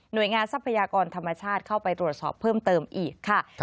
โดยงานทรัพยากรธรรมชาติเข้าไปตรวจสอบเพิ่มเติมอีกค่ะ